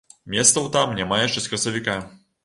Месцаў там няма яшчэ з красавіка.